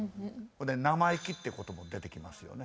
生意気っていうことも出てきますよね。